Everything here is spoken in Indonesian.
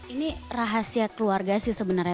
ini rahasia keluarga sih sebenarnya